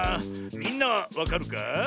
みんなはわかるか？